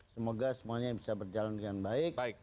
semoga semuanya bisa berjalan dengan baik